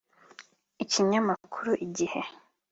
Ikinyamakuru Igihe